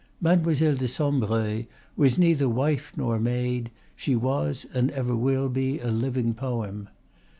Mademoiselle de Sombreuil was neither wife nor maid; she was and ever will be a living poem.